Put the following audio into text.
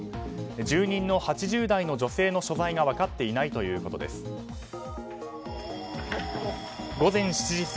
住人の８０代の女性の所在が分かっていないということです。